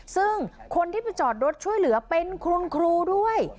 ซึ่งคนที่ไปจอดรถช่วยเหลือเป็นคุณครูด้วย